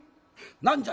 「何じゃ？